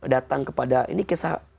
datang kepada ini kisah